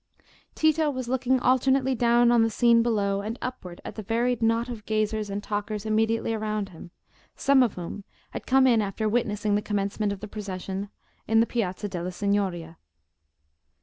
Tito was looking alternately down on the scene below, and upward at the varied knot of gazers and talkers immediately around him, some of whom had come in after witnessing the commencement of the procession in the Piazza della Signoria.